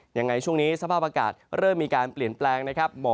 ยังไงช่วงนี้สภาพอากาศเริ่มมีการเปลี่ยนแปลงนะครับ